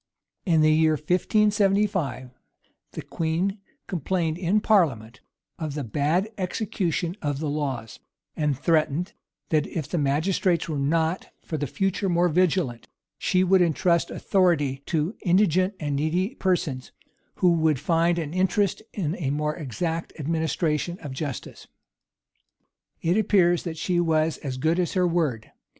In the year 1575, the queen complained in parliament of the bad execution of the laws; and threatened, that if the magistrates were not for the future more vigilant, she would intrust authority to indigent and needy persons, who would find an interest in a more exact administration of justice.[*] It appears that she was as good as her word.